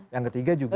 yang ketiga juga